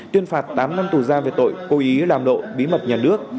tuyên phạt tám năm tù giam về tội cố ý làm lộ bí mật nhà nước